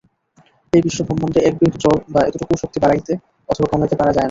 এই বিশ্বব্রহ্মাণ্ডে একবিন্দু জড় বা এতটুকুও শক্তি বাড়াইতে অথবা কমাইতে পারা যায় না।